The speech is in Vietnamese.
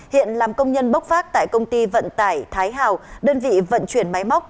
hiện làm công nhân bốc phát tại công ty vận tải thái hào đơn vị vận chuyển máy móc